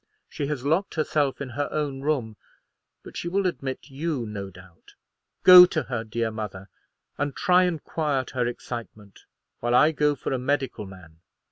She has locked herself in her own room; but she will admit you, no doubt. Go to her, dear mother, and try and quiet her excitement, while I go for a medical man."